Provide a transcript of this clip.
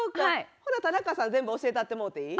ほなタナカさん全部教えたってもうていい？